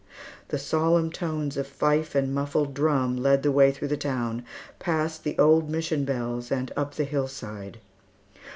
The solemn tones of fife and muffled drum led the way through the town, past the old Mission bells and up the hillside.